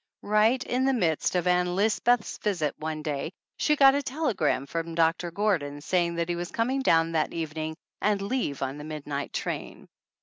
Right in the midst of Ann Lisbeth's visit one day she got a telegram from Doctor Gordon saying that he was coming down that evening and leave on the midnight train.